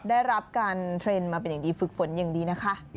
ได้รับการเทรนด์มาเป็นอย่างดีฝึกฝนอย่างดีนะคะ